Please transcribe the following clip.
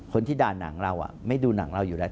คนที่ด่าหนังเราไม่ดูหนังเราอยู่แล้ว